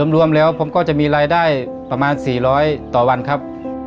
รวมแล้วผมก็จะมีรายได้ประมาณ๔๐๐ต่อวันครับ